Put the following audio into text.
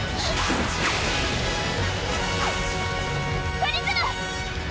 プリズム！